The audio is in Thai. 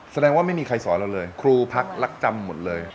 แสดงว่าไม่มีใครสอนเราเลยครูพักรักจำหมดเลย